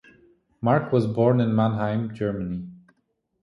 Mark was born in Mannheim, Germany.